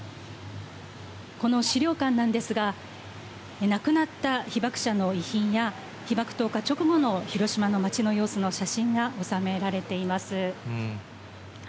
この資料館なんですが、亡くなった被爆者の遺品や被爆投下直後の街の様子の写真がおさめられています。